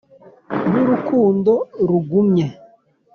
y'urukundo rugumye,